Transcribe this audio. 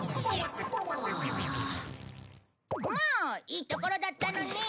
いいところだったのに！